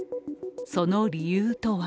その理由とは